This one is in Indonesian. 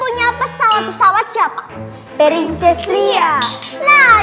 udah udah jauh kami